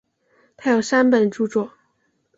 他有三本着作。